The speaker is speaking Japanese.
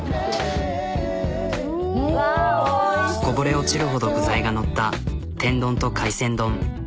こぼれ落ちるほど具材が載った天丼と海鮮丼。